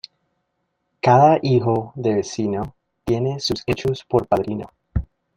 Cada hijo de vecino tiene sus hechos por padrino.